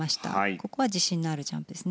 ここは自信のあるジャンプですね。